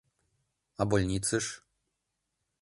А больницыш?